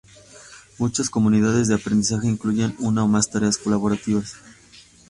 Muchas comunidades de aprendizaje incluyen una o más tareas colaborativas.